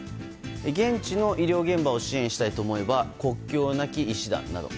現地の医療現場を支援したいと思えば国境なき医師団など。